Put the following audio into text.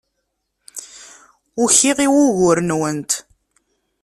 Ukiɣ i wugur-nwent.